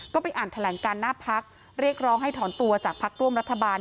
ก็ไปอ่านแถลงการหน้าพักเรียกร้องให้ถอนตัวจากพักร่วมรัฐบาล